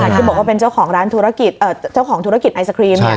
ที่บอกว่าเป็นเจ้าของระยะตากิจอัยสะครีม